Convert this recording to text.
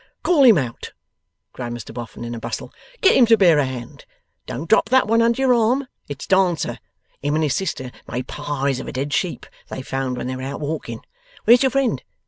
'Call him out,' cried Mr Boffin in a bustle; 'get him to bear a hand. Don't drop that one under your arm. It's Dancer. Him and his sister made pies of a dead sheep they found when they were out a walking. Where's your friend?